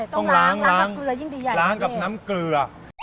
ต้องล้างล้างกับน้ำเกลือ